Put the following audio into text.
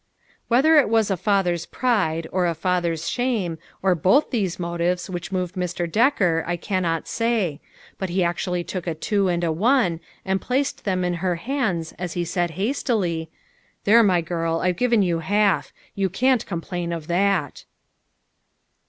Whether it was a father's pride, or a father's shame, or both these motives which moved Mr. Decker, I cannot say, but he actually took a two and a one and placed them in her hands as he said hastily, " There, my girl, I've given you half ; you can't complain of that."